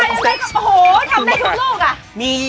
โหทำได้ทุกลูกไง